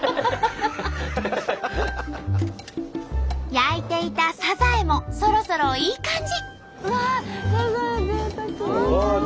焼いていたサザエもそろそろいい感じ。